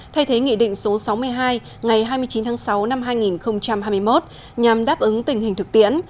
thay thế nghị định số sáu mươi hai ngày hai mươi chín tháng sáu năm hai nghìn hai mươi một nhằm đáp ứng tình hình thực tiễn